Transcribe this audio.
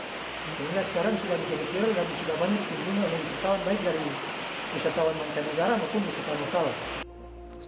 sehingga sekarang sudah dikira dan sudah banyak yang mengunjungi wisatawan baik dari wisatawan negara maupun wisatawan lokal